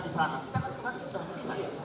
di sana kita harus menilai